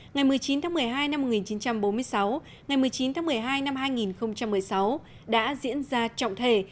ngày một mươi chín tháng một mươi hai năm một nghìn chín trăm bốn mươi sáu ngày một mươi chín tháng một mươi hai năm hai nghìn một mươi sáu đã diễn ra trọng thể